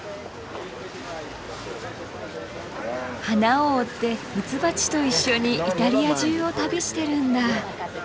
花を追ってミツバチと一緒にイタリア中を旅してるんだ。